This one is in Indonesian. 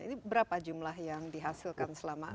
ini berapa jumlah yang dihasilkan selama lima puluh tahun